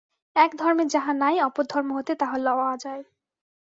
এক ধর্মে যাহা নাই, অপর ধর্ম হইতে তাহা লওয়া যায়।